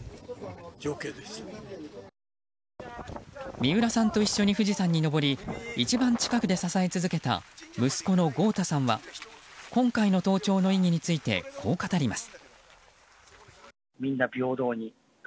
三浦さんと一緒に富士山に登り一番近くで支え続けた息子の豪太さんは今回の登頂の意義についてこう語ります。